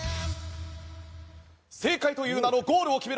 正解という名のゴールを決めろ！